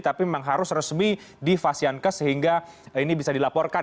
tapi memang harus resmi di fasiankes sehingga ini bisa dilaporkan